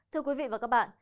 thưa quý vị và các bạn